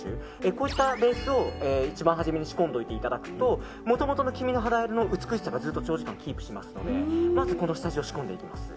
こういったベースを一番初めに仕込んでおいていただくともともとの黄みの肌色の美しさが長時間キープしますのでまずこの下地を仕込んでいきます。